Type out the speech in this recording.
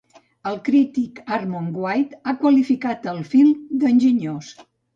El crític Armond White ha qualificat el film d"enginyós.